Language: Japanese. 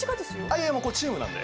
いやいやもうこれチームなんで。